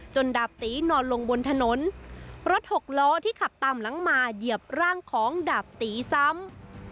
ดาบตีนอนลงบนถนนรถหกล้อที่ขับตามหลังมาเหยียบร่างของดาบตีซ้ำ